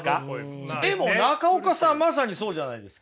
でも中岡さんまさにそうじゃないですか。